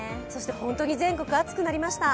本当に全国暑くなりました。